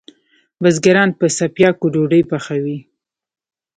بزګران په څپیاکو ډوډئ پخوی